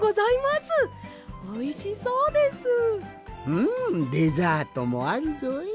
うんデザートもあるぞい。